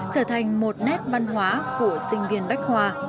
trở thành một nét văn hóa của sinh viên bách khoa